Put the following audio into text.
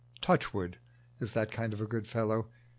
Touchwood is that kind of good fellow.